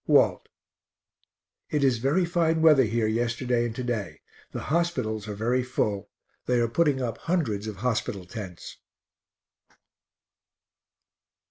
WALT. It is very fine weather here yesterday and to day. The hospitals are very full; they are putting up hundreds of hospital tents.